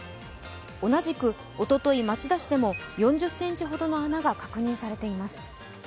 同じくおととい町田市でも４０ｃｍほどの穴が確認されています。